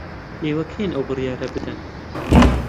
ئێوە کێن ئەو بڕیارە بدەن؟